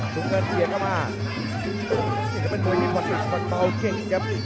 สูงเงินเกลียดเข้ามานี่จะเป็นมวยมีประสาทประสาทเก่งครับ